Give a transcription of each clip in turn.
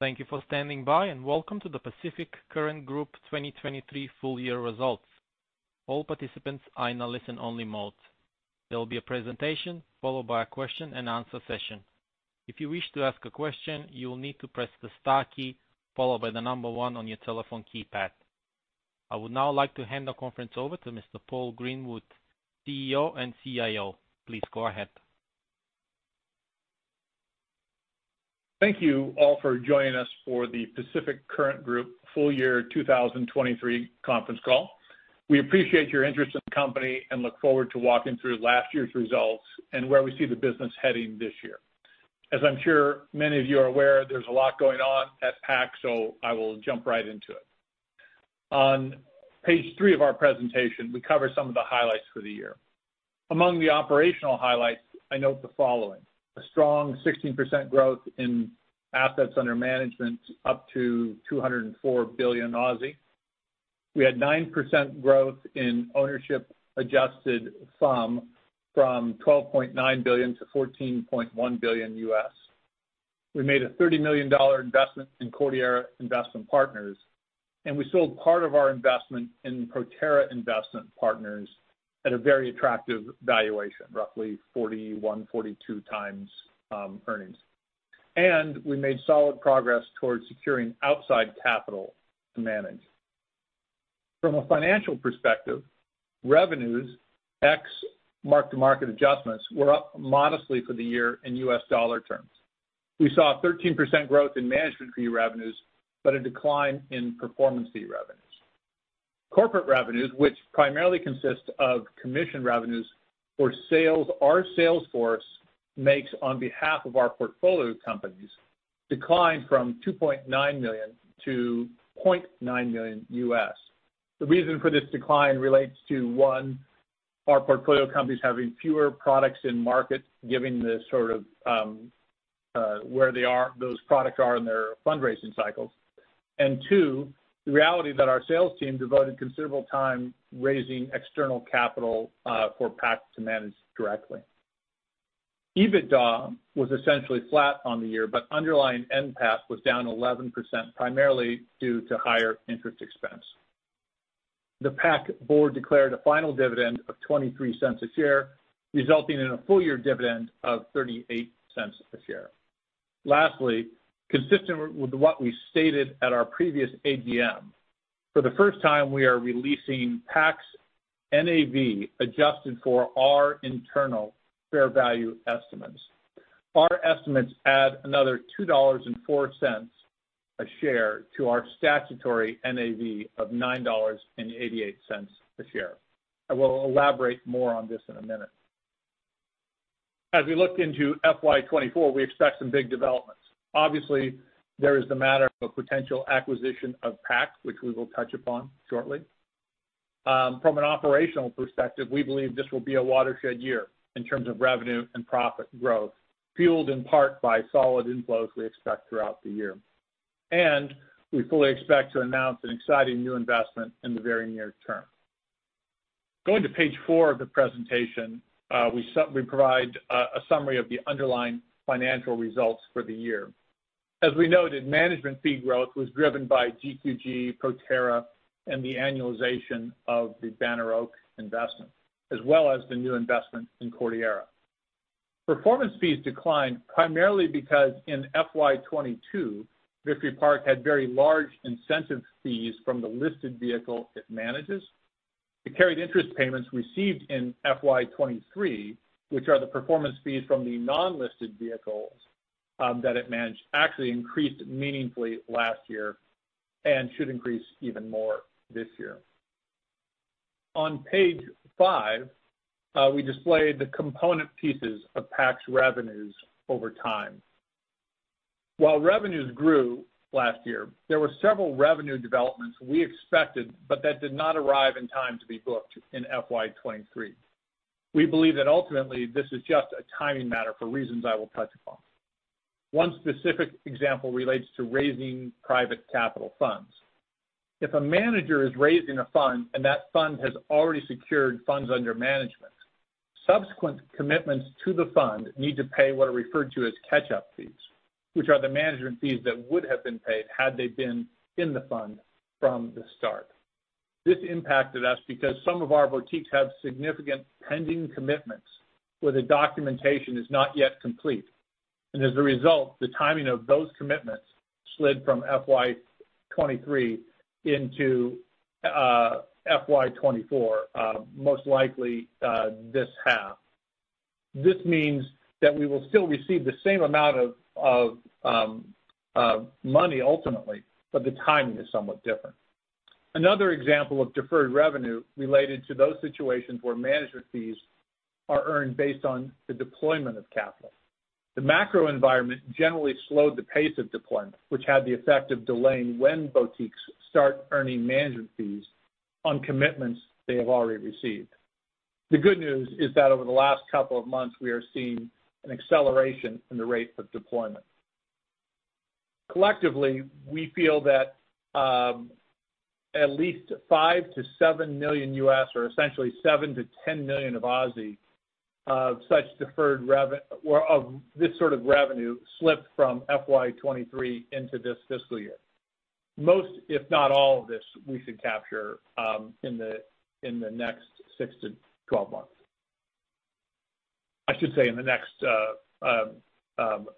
Thank you for standing by, and welcome to the Pacific Current Group 2023 Full Year Results. All participants are in a listen-only mode. There will be a presentation followed by a question-and-answer session. If you wish to ask a question, you will need to press the star key followed by the number 1 on your telephone keypad. I would now like to hand the conference over to Mr. Paul Greenwood, CEO and CIO. Please go ahead. Thank you all for joining us for the Pacific Current Group Full Year 2023 Conference Call. We appreciate your interest in the company and look forward to walking through last year's results and where we see the business heading this year. As I'm sure many of you are aware, there's a lot going on at PAC, so I will jump right into it. On page three of our presentation, we cover some of the highlights for the year. Among the operational highlights, I note the following: a strong 16% growth in assets under management, up to 204 billion. We had 9% growth in ownership adjusted FUM from $12.9 billion to $14.1 billion. We made a $30 million investment in Cordillera Investment Partners, and we sold part of our investment in Proterra Investment Partners at a very attractive valuation, roughly 41-42 times earnings. We made solid progress towards securing outside capital to manage. From a financial perspective, revenues, ex mark-to-market adjustments, were up modestly for the year in U.S. dollar terms. We saw a 13% growth in management fee revenues, but a decline in performance fee revenues. Corporate revenues, which primarily consist of commission revenues for sales our sales force makes on behalf of our portfolio companies, declined from $2.9 million to $0.9 million. The reason for this decline relates to, one, our portfolio companies having fewer products in market, giving the sort of, where they are, those products are in their fundraising cycles. Two, the reality that our sales team devoted considerable time raising external capital for PAC to manage directly. EBITDA was essentially flat on the year, but underlying NPAT was down 11%, primarily due to higher interest expense. The PAC board declared a final dividend of 0.23 per share, resulting in a full-year dividend of 0.38 per share. Lastly, consistent with what we stated at our previous AGM, for the first time, we are releasing PAC's NAV, adjusted for our internal fair value estimates. Our estimates add another 2.04 dollars per share to our statutory NAV of 9.88 dollars per share. I will elaborate more on this in a minute. As we look into FY 2024, we expect some big developments. Obviously, there is the matter of a potential acquisition of PAC, which we will touch upon shortly. From an operational perspective, we believe this will be a watershed year in terms of revenue and profit growth, fueled in part by solid inflows we expect throughout the year. We fully expect to announce an exciting new investment in the very near term. Going to page four of the presentation, we provide a summary of the underlying financial results for the year. As we noted, management fee growth was driven by GQG, Proterra, and the annualization of the Banner Oak investment, as well as the new investment in Cordillera. Performance fees declined primarily because in FY 2022, Victory Park had very large incentive fees from the listed vehicle it manages. The carried interest payments received in FY 2023, which are the performance fees from the non-listed vehicles that it managed, actually increased meaningfully last year and should increase even more this year. On page five, we displayed the component pieces of PAC's revenues over time. While revenues grew last year, there were several revenue developments we expected, but that did not arrive in time to be booked in FY 2023. We believe that ultimately, this is just a timing matter for reasons I will touch upon. One specific example relates to raising private capital funds. If a manager is raising a fund and that fund has already secured funds under management, subsequent commitments to the fund need to pay what are referred to as catch-up fees, which are the management fees that would have been paid had they been in the fund from the start. This impacted us because some of our boutiques have significant pending commitments where the documentation is not yet complete. As a result, the timing of those commitments slid from FY 2023 into FY 2024, most likely this half. This means that we will still receive the same amount of money ultimately, but the timing is somewhat different. Another example of deferred revenue related to those situations where management fees are earned based on the deployment of capital. The macro environment generally slowed the pace of deployment, which had the effect of delaying when boutiques start earning management fees on commitments they have already received. The good news is that over the last couple of months, we are seeing an acceleration in the rate of deployment. Collectively, we feel that At least $5-7 million, or essentially 7-10 million, of such deferred revenue or of this sort of revenue slipped from FY 2023 into this fiscal year. Most, if not all of this, we should capture in the next 6-12 months. I should say in the next,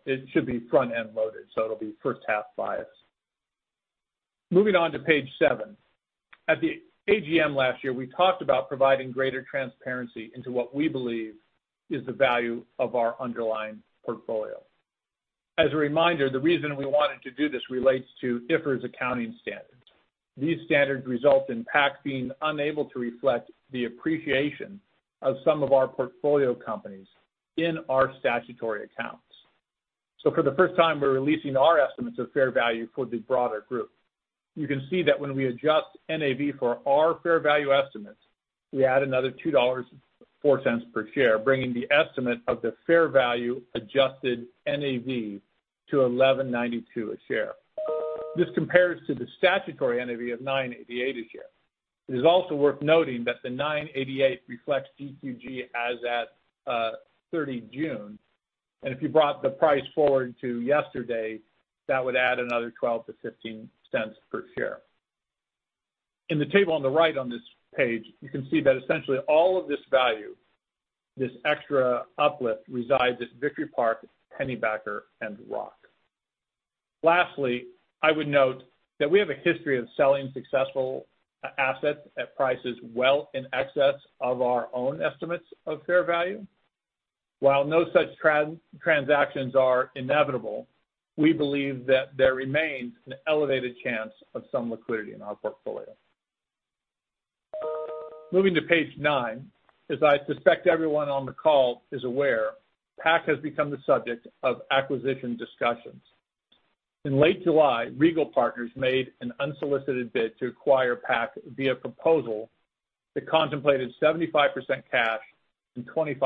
it should be front-end loaded, so it'll be first half biased. Moving on to page 7. At the AGM last year, we talked about providing greater transparency into what we believe is the value of our underlying portfolio. As a reminder, the reason we wanted to do this relates to IFRS accounting standards. These standards result in PAC being unable to reflect the appreciation of some of our portfolio companies in our statutory accounts. So for the first time, we're releasing our estimates of fair value for the broader group. You can see that when we adjust NAV for our fair value estimates, we add another 2.04 dollars per share, bringing the estimate of the fair value adjusted NAV to 11.92 a share. This compares to the statutory NAV of 9.88 a share. It is also worth noting that the 9.88 reflects GQG as at 30 June. And if you brought the price forward to yesterday, that would add another 12-15 cents per share. In the table on the right on this page, you can see that essentially all of this value, this extra uplift, resides at Victory Park, Pennybacker, and Roc. Lastly, I would note that we have a history of selling successful assets at prices well in excess of our own estimates of fair value. While no such transactions are inevitable, we believe that there remains an elevated chance of some liquidity in our portfolio. Moving to page 9, as I suspect everyone on the call is aware, PAC has become the subject of acquisition discussions. In late July, Regal Partners made an unsolicited bid to acquire PAC via a proposal that contemplated 75% cash and 25%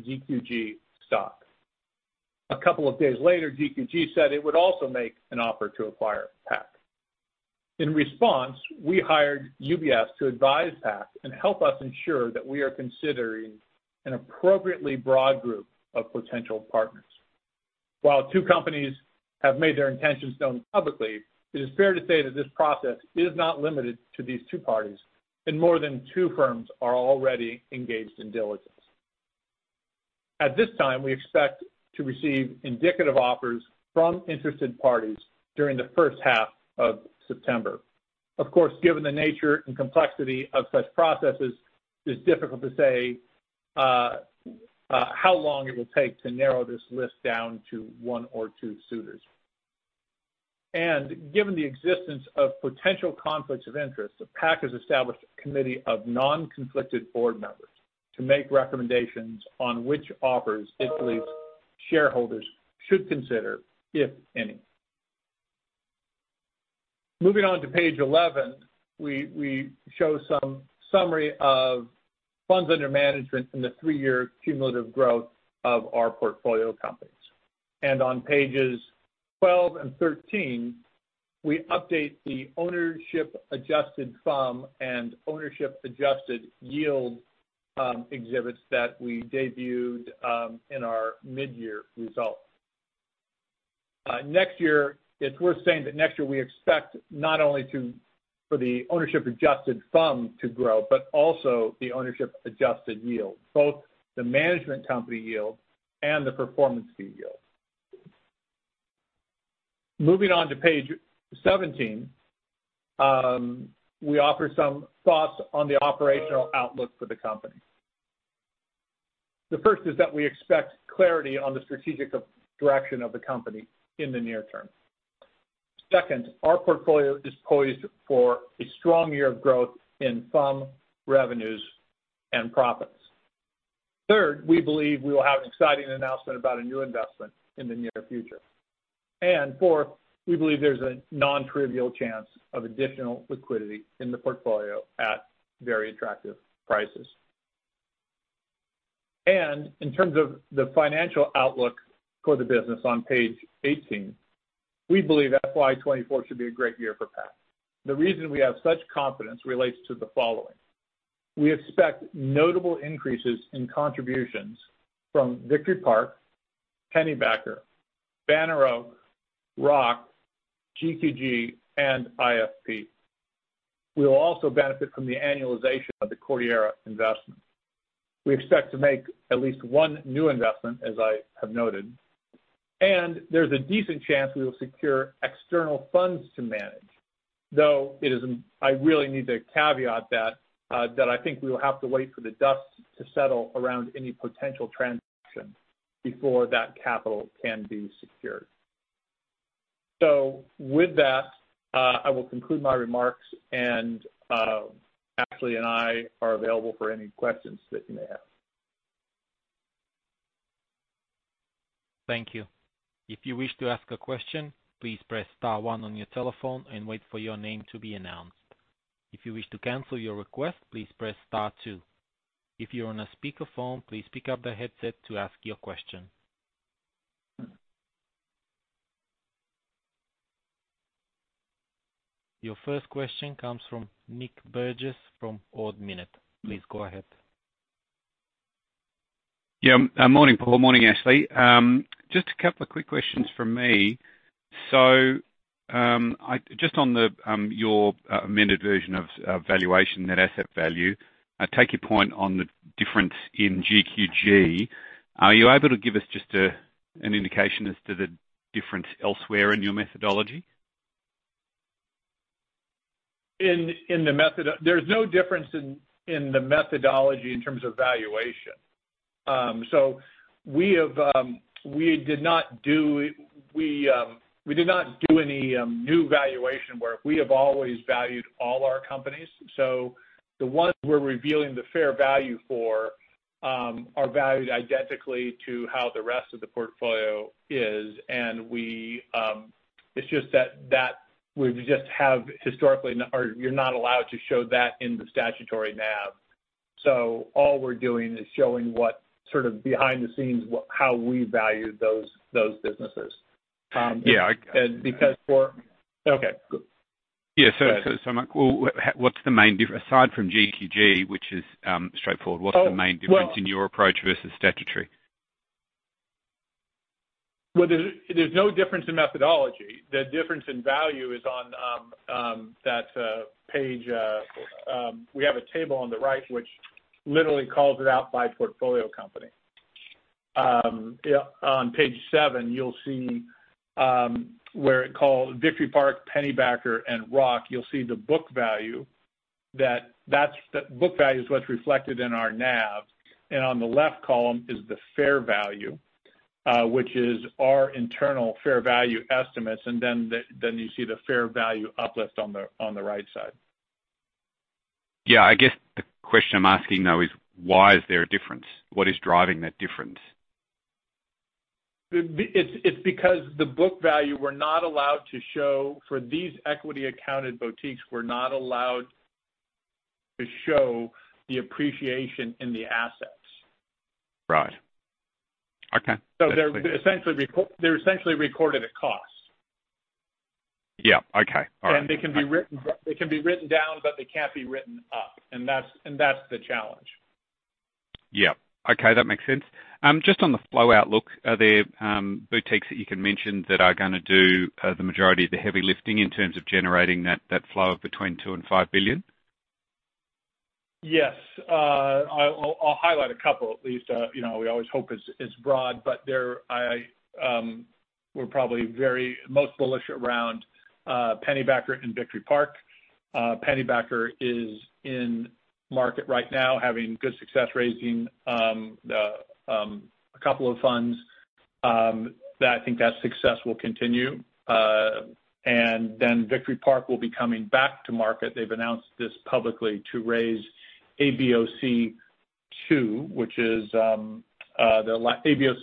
GQG stock. A couple of days later, GQG said it would also make an offer to acquire PAC. In response, we hired UBS to advise PAC and help us ensure that we are considering an appropriately broad group of potential partners. While two companies have made their intentions known publicly, it is fair to say that this process is not limited to these two parties, and more than two firms are already engaged in diligence. At this time, we expect to receive indicative offers from interested parties during the first half of September. Of course, given the nature and complexity of such processes, it's difficult to say how long it will take to narrow this list down to one or two suitors. Given the existence of potential conflicts of interest, the PAC has established a committee of non-conflicted board members to make recommendations on which offers it believes shareholders should consider, if any. Moving on to page 11, we show some summary of funds under management in the three-year cumulative growth of our portfolio companies. On pages 12 and 13, we update the ownership adjusted FUM and ownership adjusted yield exhibits that we debuted in our mid-year results. Next year, it's worth saying that next year we expect not only for the ownership adjusted FUM to grow, but also the ownership adjusted yield, both the management company yield and the performance fee yield. Moving on to page 17, we offer some thoughts on the operational outlook for the company. The first is that we expect clarity on the strategic direction of the company in the near term. Second, our portfolio is poised for a strong year of growth in some revenues and profits. Third, we believe we will have an exciting announcement about a new investment in the near future. And fourth, we believe there's a nontrivial chance of additional liquidity in the portfolio at very attractive prices. In terms of the financial outlook for the business on page 18, we believe FY 2024 should be a great year for PAC. The reason we have such confidence relates to the following: We expect notable increases in contributions from Victory Park, Pennybacker, Banner Oak, Roc, GQG, and IFP. We will also benefit from the annualization of the Cordillera investment. We expect to make at least one new investment, as I have noted, and there's a decent chance we will secure external funds to manage, though it is, I really need to caveat that, that I think we will have to wait for the dust to settle around any potential transaction before that capital can be secured. With that, I will conclude my remarks, and, Ashley and I are available for any questions that you may have. Thank you. If you wish to ask a question, please press star one on your telephone and wait for your name to be announced. If you wish to cancel your request, please press star two. If you're on a speakerphone, please pick up the headset to ask your question. Your first question comes from Nick Burgess from Ord Minnett. Please go ahead. Yeah. Morning, Paul. Morning, Ashley. Just a couple of quick questions from me. So, just on your amended version of valuation, net asset value, I take your point on the difference in GQG. Are you able to give us just an indication as to the difference elsewhere in your methodology? In the methodology, there's no difference in the methodology in terms of valuation. So we did not do any new valuation work. We have always valued all our companies. So the ones we're revealing the fair value for are valued identically to how the rest of the portfolio is. And it's just that we just have historically, or you're not allowed to show that in the statutory NAV. So all we're doing is showing what sort of behind the scenes, how we value those businesses. Yeah, I- Okay. Yeah, so like, well, what's the main difference aside from GQG, which is straightforward, in your approach versus statutory? Well, there's no difference in methodology. The difference in value is on that page, we have a table on the right, which literally calls it out by portfolio company. Yeah, on page seven, you'll see where it calls Victory Park, Pennybacker, and Roc, you'll see the book value, that's the book value is what's reflected in our NAV. And on the left column is the fair value, which is our internal fair value estimates, and then you see the fair value uplift on the right side. Yeah, I guess the question I'm asking, though, is why is there a difference? What is driving that difference? It's because the book value, we're not allowed to show, for these equity accounted boutiques, we're not allowed to show the appreciation in the assets. Right. Okay. They're essentially recorded at cost. Yeah, okay. All right. And they can be written down, but they can't be written up, and that's the challenge. Yeah. Okay, that makes sense. Just on the flow outlook, are there boutiques that you can mention that are gonna do the majority of the heavy lifting in terms of generating that, that flow of between 2 billion and 5 billion? Yes. I'll highlight a couple at least. You know, we always hope it's broad, but there, we're probably very most bullish around Pennybacker and Victory Park. Pennybacker is in market right now, having good success raising a couple of funds that I think that success will continue. And then Victory Park will be coming back to market. They've announced this publicly to raise ABOF II, which is the ABOF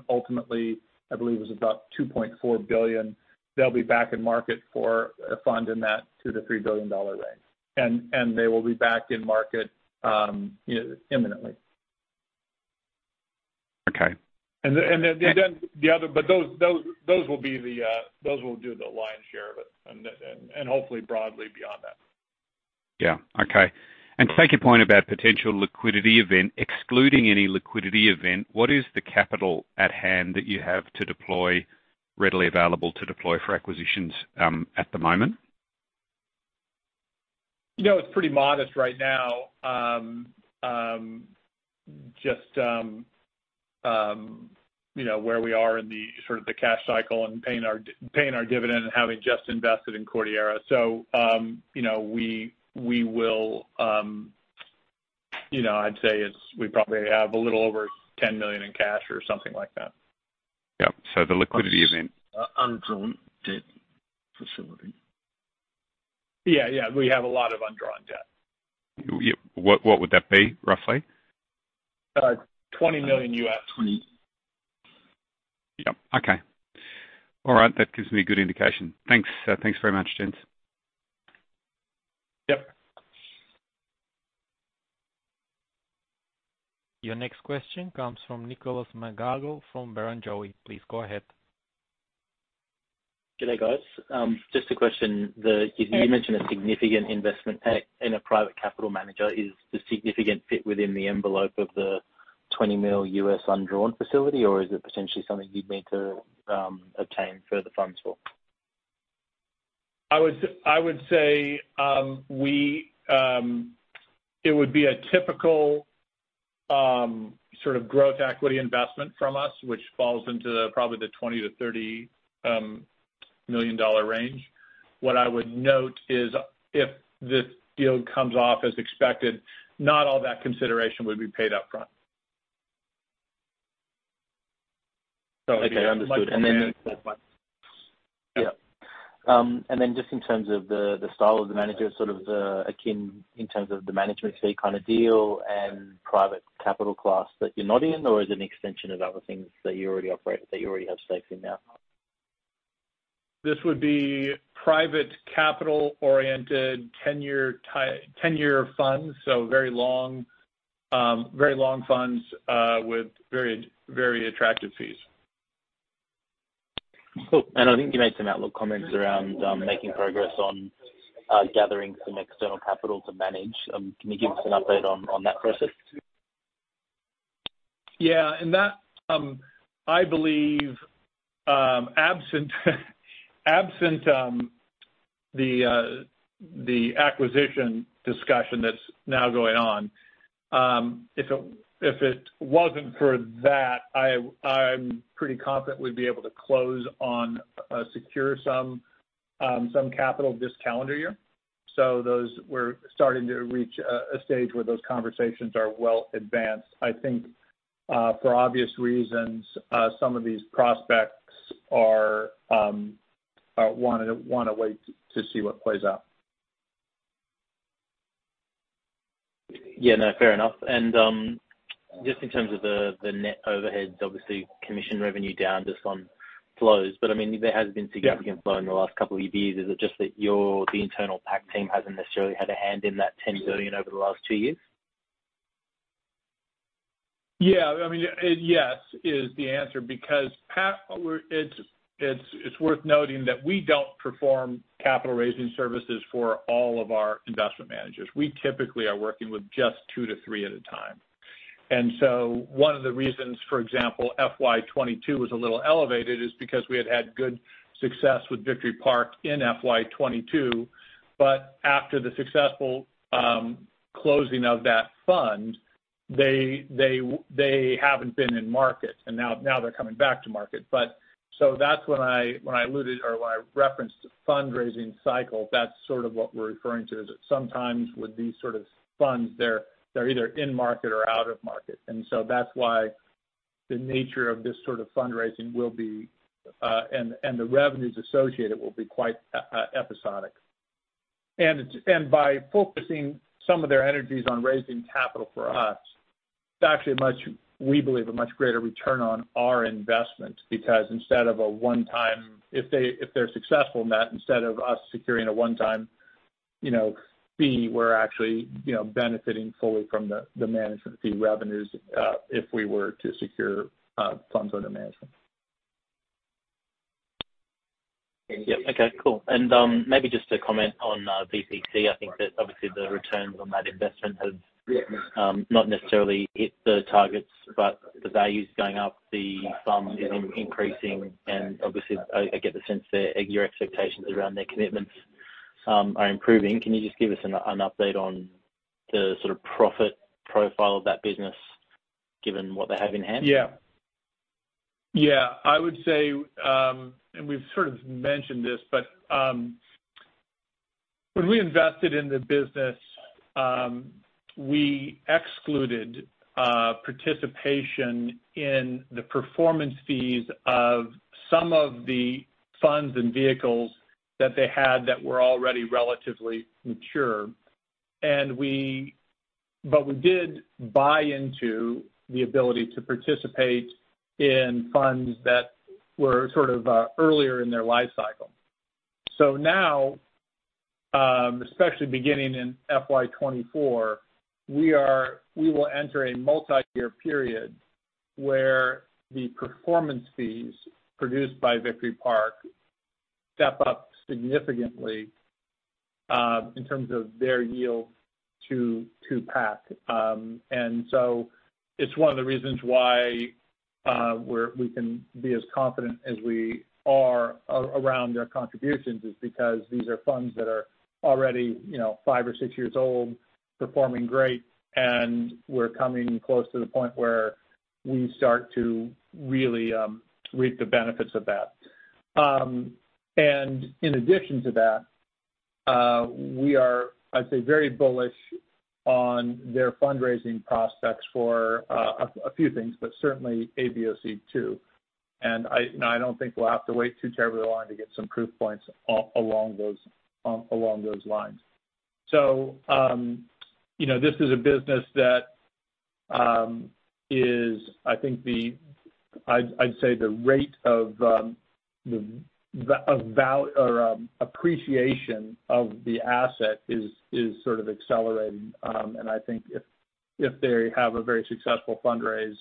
I, ultimately, I believe, was about $2.4 billion. They'll be back in market for a fund in that $2-$3 billion range. And they will be back in market, you know, imminently. Okay. And then the other, but those will do the lion's share of it, and hopefully broadly beyond that. Yeah. Okay. To take your point about potential liquidity event, excluding any liquidity event, what is the capital at hand that you have to deploy, readily available to deploy for acquisitions, at the moment? You know, it's pretty modest right now. Just, you know, where we are in the sort of the cash cycle and paying our dividend and having just invested in Cordillera. So, you know, we will, you know, I'd say it's, we probably have a little over 10 million in cash or something like that. Yeah. So the liquidity event. Undrawn debt facility. Yeah, yeah, we have a lot of undrawn debt. Yeah. What, what would that be, roughly? $20 million, Actually. Yeah. Okay. All right. That gives me a good indication. Thanks. Thanks very much, gents. Yep. Your next question comes from Nicholas McGarrigle from Barrenjoey. Please go ahead. G'day, guys. Just a question, you mentioned a significant investment in a private capital manager. Is the significant fit within the envelope of the $20 million undrawn facility, or is it potentially something you'd need to obtain further funds for? I would say it would be a typical sort of growth equity investment from us, which falls into probably the 20 million-30 million dollar range. What I would note is, if this deal comes off as expected, not all that consideration would be paid upfront. Okay, understood. And then- Yeah. And then just in terms of the style of the manager, sort of akin in terms of the management fee kind of deal and private capital class that you're not in, or is it an extension of other things that you already operate, that you already have stakes in now?... this would be private capital-oriented ten-year funds, so very long, very long funds, with very, very attractive fees. Cool. And I think you made some outlook comments around making progress on gathering some external capital to manage. Can you give us an update on that process? Yeah, and that, I believe, absent the acquisition discussion that's now going on, if it wasn't for that, I'm pretty confident we'd be able to close on, secure some capital this calendar year. So those, we're starting to reach a stage where those conversations are well advanced. I think, for obvious reasons, some of these prospects wanna wait to see what plays out. Yeah, no, fair enough. And, just in terms of the, the net overheads, obviously, commission revenue down just on flows. But I mean, there has been significant flow in the last couple of years. Is it just that your, the internal PAC team hasn't necessarily had a hand in that 10 billion over the last two years? Yeah. I mean, yes, is the answer, because we're, it's worth noting that we don't perform capital raising services for all of our investment managers. We typically are working with just 2-3 at a time. And so one of the reasons, for example, FY 2022 was a little elevated, is because we had had good success with Victory Park in FY 2022, but after the successful closing of that fund, they haven't been in market, and now they're coming back to market. But so that's when I alluded or when I referenced the fundraising cycle, that's sort of what we're referring to, is that sometimes with these sort of funds, they're either in market or out of market. And so that's why the nature of this sort of fundraising will be, and the revenues associated will be quite episodic. And by focusing some of their energies on raising capital for us, it's actually a much, we believe, a much greater return on our investment, because instead of a one-time if they're successful in that, instead of us securing a one-time, you know, fee, we're actually, you know, benefiting fully from the management fee revenues if we were to secure funds under management. Yeah. Okay, cool. And maybe just to comment on VPC. I think that obviously the returns on that investment have not necessarily hit the targets, but the value's going up, the sum is increasing, and obviously, I get the sense that your expectations around their commitments are improving. Can you just give us an update on the sort of profit profile of that business, given what they have in hand? Yeah. Yeah, I would say, and we've sort of mentioned this, but when we invested in the business, we excluded participation in the performance fees of some of the funds and vehicles that they had that were already relatively mature. But we did buy into the ability to participate in funds that were sort of earlier in their life cycle. So now, especially beginning in FY 2024, we will enter a multiyear period where the performance fees produced by Victory Park step up significantly, in terms of their yield to PAC. And so it's one of the reasons why, we can be as confident as we are around their contributions, is because these are funds that are already, you know, five or six years old, performing great, and we're coming close to the point where we start to really, reap the benefits of that. And in addition to that, we are, I'd say, very bullish on their fundraising prospects for, a few things, but certainly ABOF II. And I don't think we'll have to wait too terribly long to get some proof points along those, along those lines. So, you know, this is a business that, is, I think the... I'd, I'd say the rate of, the value or, appreciation of the asset is, sort of accelerating. And I think if they have a very successful fundraise,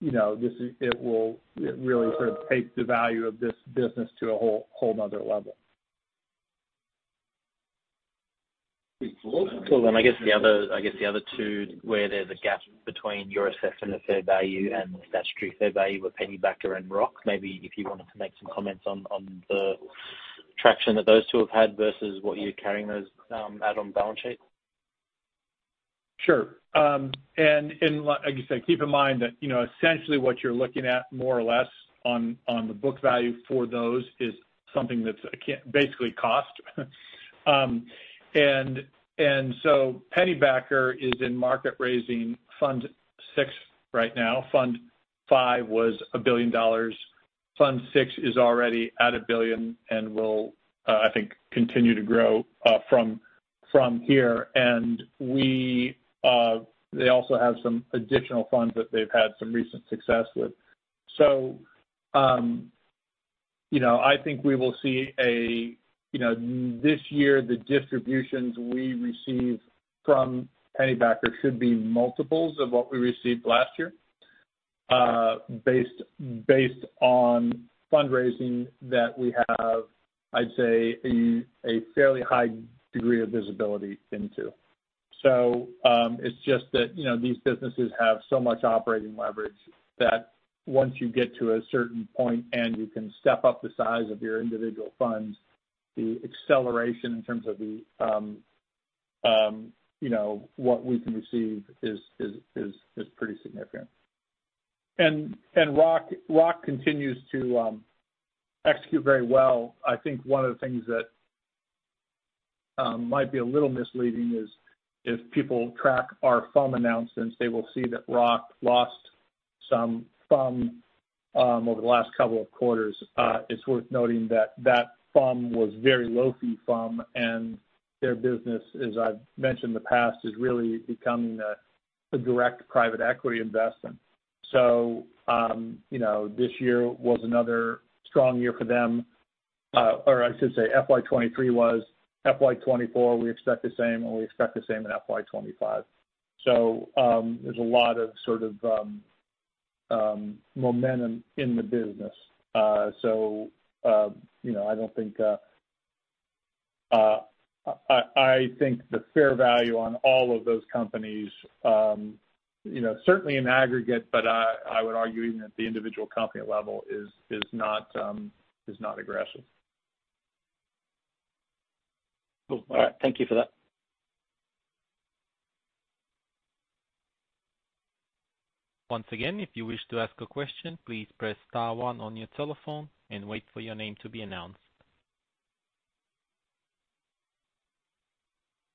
you know, it will really sort of take the value of this business to a whole another level. Cool. And I guess the other, I guess the other two, where there's a gap between your assessment of fair value and the statutory fair value, were Pennybacker and Roc. Maybe if you wanted to make some comments on, on the traction that those two have had versus what you're carrying those at on balance sheet. Sure. And like you say, keep in mind that, you know, essentially what you're looking at more or less on, on the book value for those is something that's basically cost. And so Pennybacker is in market raising Fund VI right now. Fund V was $1 billion. Fund VI is already at $1 billion and will, I think, continue to grow from here, and they also have some additional funds that they've had some recent success with. So, you know, I think we will see a, you know, this year, the distributions we receive from Pennybacker should be multiples of what we received last year, based on fundraising that we have, I'd say, a fairly high degree of visibility into. So, it's just that, you know, these businesses have so much operating leverage, that once you get to a certain point, and you can step up the size of your individual funds, the acceleration in terms of the, you know, what we can receive is pretty significant. And Roc continues to execute very well. I think one of the things that might be a little misleading is, if people track our FUM announcements, they will see that Roc lost some FUM over the last couple of quarters. It's worth noting that that FUM was very low fee FUM, and their business, as I've mentioned in the past, is really becoming a direct private equity investment. So, you know, this year was another strong year for them. Or I should say, FY 2023 was. FY 2024, we expect the same, and we expect the same in FY 2025. So, there's a lot of sort of, momentum in the business. So, you know, I don't think... I, I think the fair value on all of those companies, you know, certainly in aggregate, but I, I would argue even at the individual company level, is, is not, is not aggressive. Cool. All right. Thank you for that. Once again, if you wish to ask a question, please press star one on your telephone and wait for your name to be announced.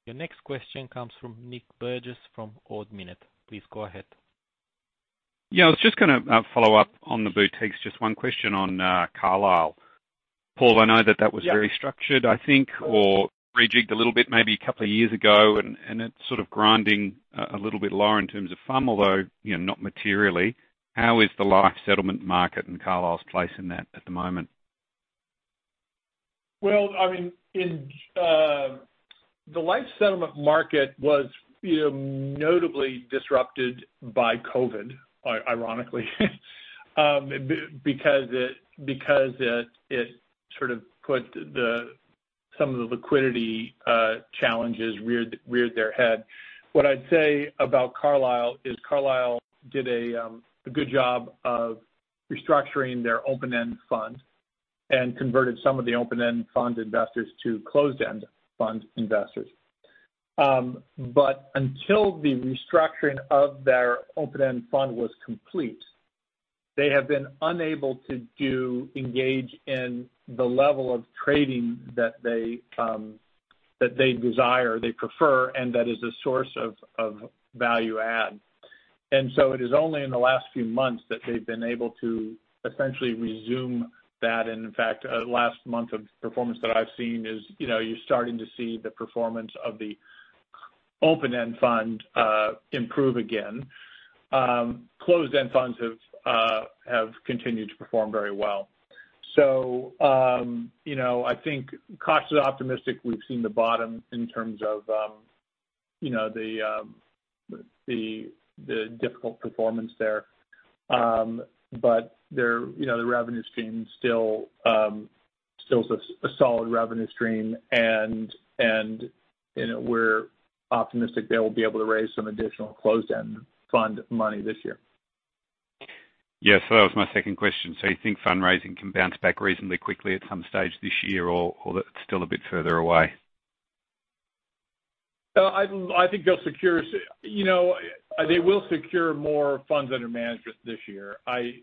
Your next question comes from Nick Burgess, from Ord Minnett. Please go ahead. Yeah, I was just gonna follow up on the boutiques. Just one question on Carlisle. Paul, I know that that was- Yeah. Very structured, I think, or rejigged a little bit, maybe a couple of years ago, and it's sort of grinding a little bit lower in terms of FUM, although, you know, not materially. How is the life settlement market and Carlisle's place in that at the moment? Well, I mean, in the life settlement market was, you know, notably disrupted by COVID, ironically, because it, because it, it sort of put the some of the liquidity challenges reared their head. What I'd say about Carlisle is, Carlisle did a good job of restructuring their open-end fund and converted some of the open-end fund investors to closed-end fund investors. But until the restructuring of their open-end fund was complete, they have been unable to do engage in the level of trading that they, that they desire, they prefer, and that is a source of value add. And so it is only in the last few months that they've been able to essentially resume that. In fact, last month of performance that I've seen is, you know, you're starting to see the performance of the open-end fund improve again. Closed-end funds have continued to perform very well. You know, I think cautiously optimistic, we've seen the bottom in terms of, you know, the difficult performance there. But there, you know, the revenue stream still is a solid revenue stream, and, you know, we're optimistic they will be able to raise some additional closed-end fund money this year. Yes, so that was my second question. So you think fundraising can bounce back reasonably quickly at some stage this year, or, or that's still a bit further away? So I think they'll secure... You know, they will secure more funds under management this year.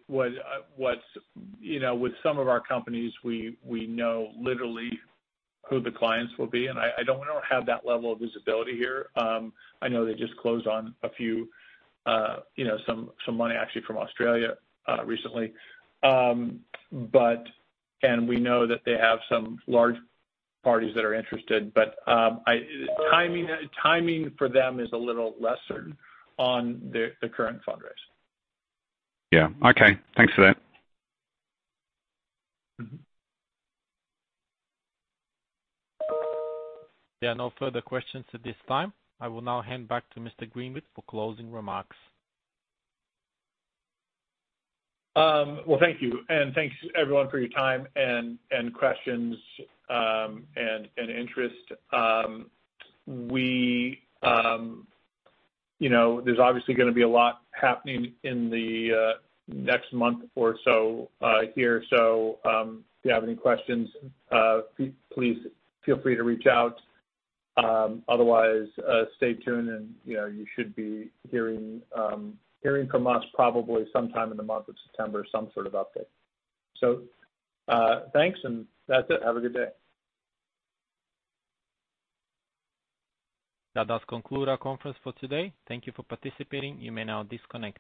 You know, with some of our companies, we know literally who the clients will be, and I don't have that level of visibility here. I know they just closed on a few, you know, some money actually from Australia, recently. But and we know that they have some large parties that are interested, but, timing for them is a little lesser on the current fundraise. Yeah. Okay. Thanks for that. Mm-hmm. There are no further questions at this time. I will now hand back to Mr. Greenwood for closing remarks. Well, thank you. Thanks, everyone, for your time and questions, and interest. We, you know, there's obviously gonna be a lot happening in the next month or so, here. So, if you have any questions, please feel free to reach out. Otherwise, stay tuned and, you know, you should be hearing from us probably sometime in the month of September, some sort of update. So, thanks, and that's it. Have a good day. That does conclude our conference for today. Thank you for participating. You may now disconnect.